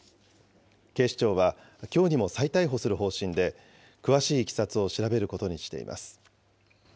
警視庁は、きょうにも再逮捕する方針で、詳しいいきさつを調べることにしています。